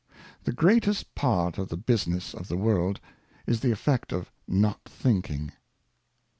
The greatest Part of the Business of the World, is the Effect of not thinking.